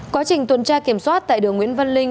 quá trình tuần tra kiểm soát tại đường nguyễn văn linh